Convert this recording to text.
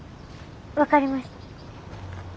分かりました。